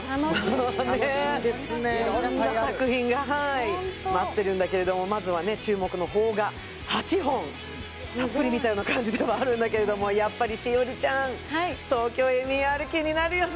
楽しみです色んな作品がはい待ってるんだけれどもまずはね注目の邦画８本たっぷり見たような感じではあるんだけれどもやっぱり栞里ちゃん「ＴＯＫＹＯＭＥＲ」気になるよね